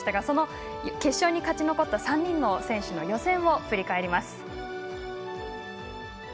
その決勝に勝ち残った３人の選手の予選を振り返ります。